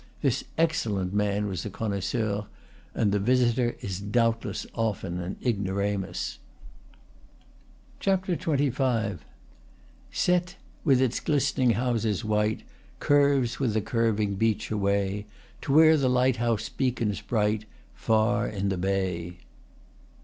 This excellent man was a connoisseur, and the visitor is doubtless often an ignoramus. XXV. "Cette, with its glistening houses white, Curves with the curving beach away To where the lighthouse beacons bright, Far in the bay."